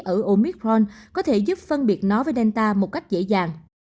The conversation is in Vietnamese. ở omicron có thể giúp phân biệt nó với delta một cách dễ dàng